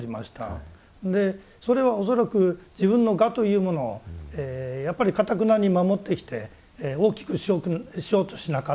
それは恐らく自分の我というものをやっぱりかたくなに守ってきて大きくしようとしなかった。